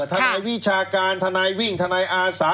ทนายวิชาการทนายวิ่งทนายอาสา